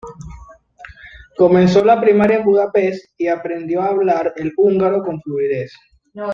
Comenzó la primaria en Budapest y aprendió a hablar el húngaro con fluidez.